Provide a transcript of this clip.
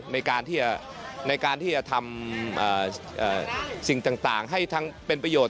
ในการที่จะทำสิ่งต่างให้ทั้งเป็นประโยชน